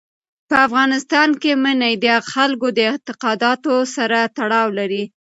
په افغانستان کې منی د خلکو د اعتقاداتو سره تړاو لري.